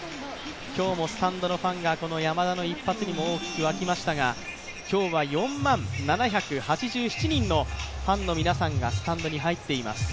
今日もスタンドのファンがこの山田の一発にも大きく沸きましたが今日は４万７８７人のファンの皆さんがスタンドに入っています。